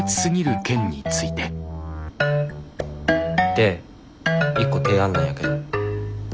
で一個提案なんやけど。